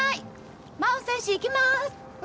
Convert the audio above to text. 真帆選手行きます！